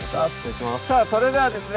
さぁそれではですね